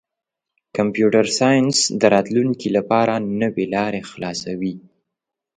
کمپیوټر ساینس د راتلونکي لپاره نوې لارې خلاصوي.